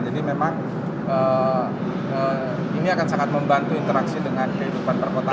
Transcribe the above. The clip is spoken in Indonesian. jadi memang ini akan sangat membantu interaksi dengan kehidupan perkotaan